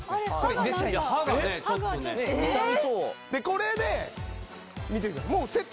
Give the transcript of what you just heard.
これで見ててください